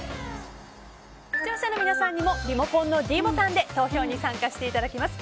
視聴者の皆さんにもリモコンのｄボタンで投票に参加していただきます。